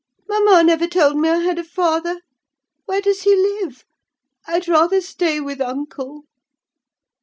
"Mamma never told me I had a father. Where does he live? I'd rather stay with uncle."